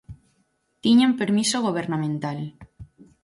Tiñan permiso gobernamental.